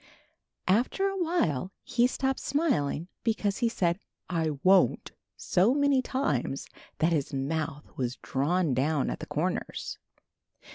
After a while he stopped smil ing because he had said "I won't'' so many times that his mouth was drawn down at the corners.